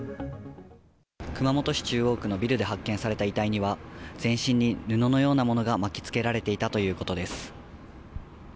熊本市中央区のビルで発見された遺体には全身に布のようなものが巻きつけられていたということです。